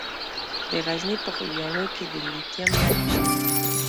د غزني په خوږیاڼو کې د لیتیم نښې شته.